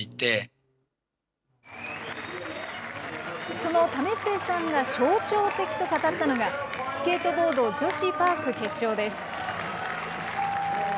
その為末さんが象徴的と語ったのが、スケートボード女子パーク決勝です。